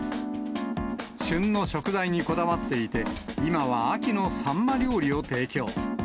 旬の食材にこだわっていて、今は秋のさんま料理を提供。